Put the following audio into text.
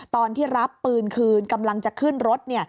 ตอนที่รับปืนคืนกำลังจะขึ้นรถ